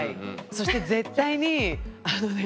そして絶対にあのね。